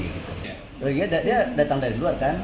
oh iya dia datang dari luar kan